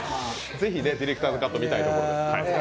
ぜひディレクターズカット見てみたいですね。